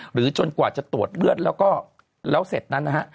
หรือจนกว่าจะตรวจเลือดแล้วเสร็จนั้นนะฮะ